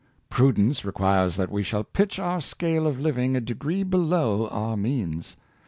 Prudence requires that we shall pitch our scale of living a degree below our means.